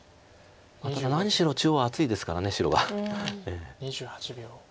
ただ何しろ中央厚いですから白は。